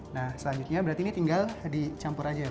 nah selanjutnya berarti ini tinggal dicampur aja ya bu